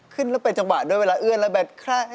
ขึ้นแล้วเป็นจังหวะโดยเวลาเอื้อนแล้วแบบ